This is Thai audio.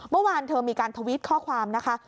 เมื่อวานเธอมีการทวิตข้อความนะคะ